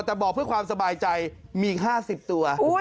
แต่บอกเพื่อความสบายใจมีอีก๕๐ตัว